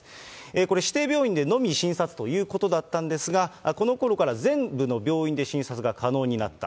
これ、指定病院でのみ診察ということだったんですが、このころから全部の病院で診察が可能になった。